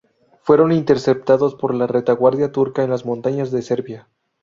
Fueron interceptados por la retaguardia turca en las montañas de Serbia.